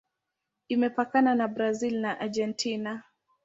Imepakana na Brazil na Argentina.